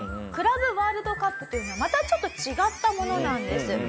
クラブワールドカップというのはまたちょっと違ったものなんです。